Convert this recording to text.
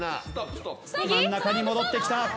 真ん中に戻ってきた。